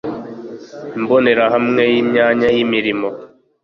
imbonerahamwe y'imyanya y'imirimo